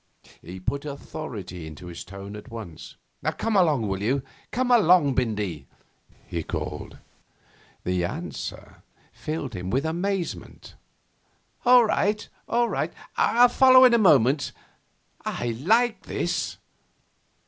He put authority into his tone at once. 'Come along, will you; come along, Bindy!' he called. The answer filled him with amazement. 'All right, all right. I'll follow in a moment. I like this.